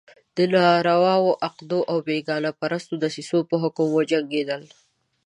د ناروا عقدو او بېګانه پرستو دسیسو په حکم وجنګېدل.